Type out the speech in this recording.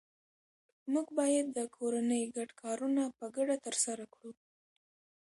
موږ باید د کورنۍ ګډ کارونه په ګډه ترسره کړو